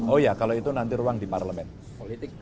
oh iya kalau itu nanti ruang di parlement